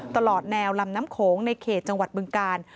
ตลอดแนวลำน้ำโขงในเขตจังหวัดบึงกาล